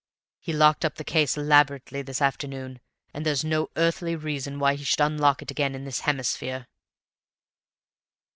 He locked up the case elaborately this afternoon, and there's no earthly reason why he should unlock it again in this hemisphere."